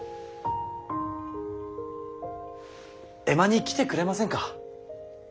江間に来てくれませんか。